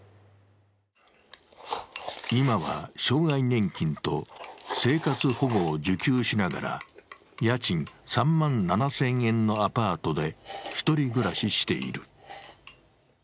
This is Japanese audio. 今は障害年金と生活保護を受給しながら家賃３万７０００円のアパートで１人暮らししている。